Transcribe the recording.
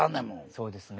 そうですね。